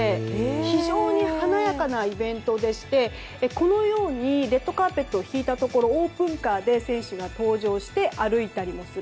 非常に華やかなイベントでしてこのようにレッドカーペットを敷いたところをオープンカーで選手が登場して歩いたりもする。